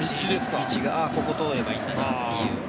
ああ、ここ通ればいいんだなっていう。